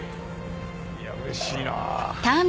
いやうれしいな。